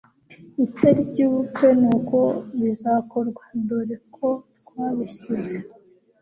itariki yubukwe nuko bizakorwa dore ko twabishyize